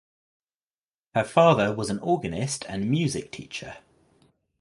Her father was an organist and music teacher.